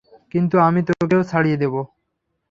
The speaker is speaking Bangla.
কিন্তু আমি তোকেও ছাড়িয়ে যাব।